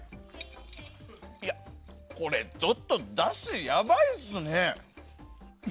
いや、これちょっとだしやばいですね。